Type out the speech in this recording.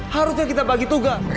harusnya kita bagi tugas